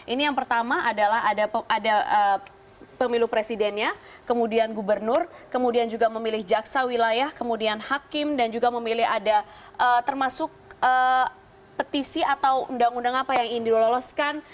ini yang pertama adalah ada pemilu presidennya kemudian gubernur kemudian juga memilih jaksa wilayah kemudian hakim dan juga memilih ada termasuk petisi atau undang undang apa yang ingin diloloskan